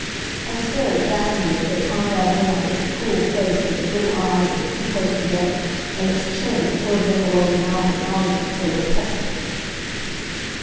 I stared, fascinated, at Konrad Nirlanger's cruel face with its little eyes that were too close together and its chin that curved in below the mouth and out again so grotesquely.